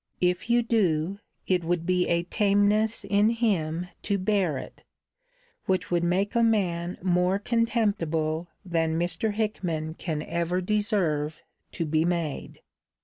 If you do, it would be a tameness in him to bear it, which would make a man more contemptible than Mr. Hickman can ever deserve to be made.